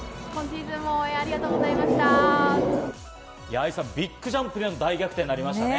愛さん、ビッグジャンプからの大逆転になりましたね。